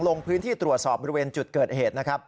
ลงพื้นที่ตรวจสอบบริเวณจุดเกิดเหตุนะครับ